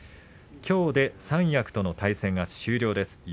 きょうで三役との対戦が終わります。